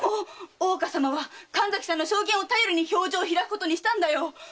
大岡様は神崎さんの証言を頼りに評定を開くことにしたんだよ。